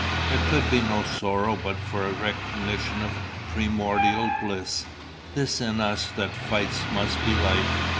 There could be no sorrow but for a recognition of primordial bliss. This in us that fights must be life.